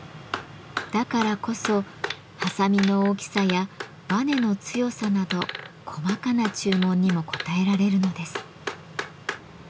だからこそはさみの大きさやバネの強さなど細かな注文にも応えられるのです。